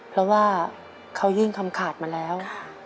เพราะว่าเขายื่นคำขาดมาแล้ว